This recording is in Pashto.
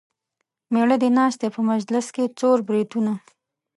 مېړه دې ناست دی په مجلس کې څور بریتونه.